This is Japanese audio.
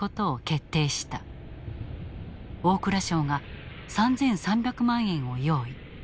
大蔵省が３，３００万円を用意。